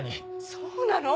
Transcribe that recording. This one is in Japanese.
そうなの？